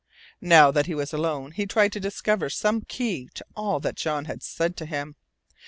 Now that he was alone he tried to discover some key to all that Jean had said to him.